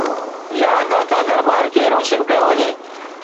يا داتا درٻار کي روشن ڪيو وڃي؟